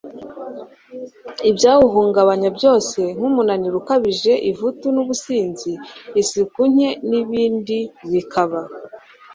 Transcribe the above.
n'ibyawuhungabanya byose, nk'umunaniro ukabije, ivutu n'ubusinzi, isuku nke n'ibindibikaba